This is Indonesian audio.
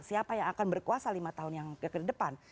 siapa yang akan berkuasa lima tahun yang ke depan